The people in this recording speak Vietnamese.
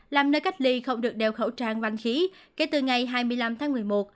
làm nơi cách ly không được đeo khẩu trang văn khí kể từ ngày hai mươi năm tháng một mươi một